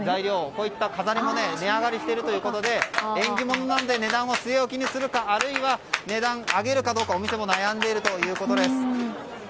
こういった飾りも値上がりしているということで縁起ものなので値段は据え置きにするかあるいは上げるかお店も悩んでいるということです。